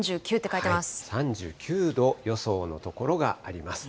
３９度予想の所があります。